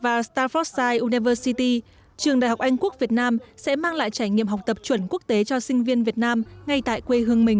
và stafoscie unever city trường đại học anh quốc việt nam sẽ mang lại trải nghiệm học tập chuẩn quốc tế cho sinh viên việt nam ngay tại quê hương mình